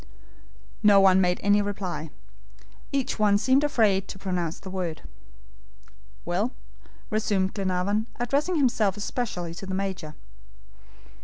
No one made any reply. Each one seemed afraid to pronounce the word. "Well?" resumed Glenarvan, addressing himself especially to the Major.